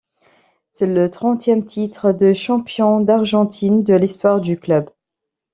C'est le trentième titre de champion d'Argentine de l'histoire du club.